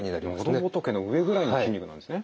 喉仏の上ぐらいの筋肉なんですね。